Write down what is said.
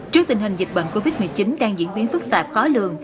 trước tình hình dịch bệnh covid một mươi chín đang diễn biến phức tạp khó lường